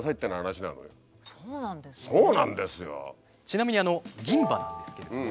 ちなみに銀歯なんですけれども。